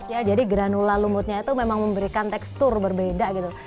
ya jadi granula lumutnya itu memang memberikan tekstur berbeda gitu